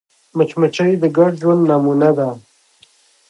مچمچۍ د ګډ ژوند نمونه ده